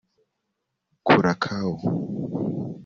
Curacao